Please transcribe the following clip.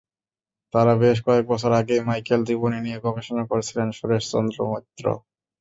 তার বেশ কয়েক বছর আগেই মাইকেল-জীবনী নিয়ে গবেষণা করেছিলেন সুরেশচন্দ্র মৈত্র।